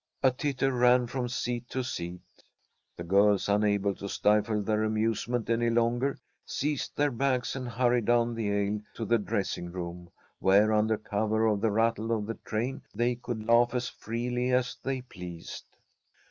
A titter ran from seat to seat. The girls, unable to stifle their amusement any longer, seized their bags and hurried down the aisle to the dressing room, where, under cover of the rattle of the train, they could laugh as freely as they pleased.